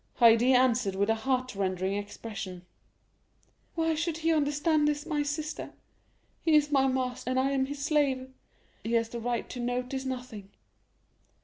Haydée answered with a heartrending expression, "Why should he understand this, my sister? He is my master, and I am his slave; he has the right to notice nothing."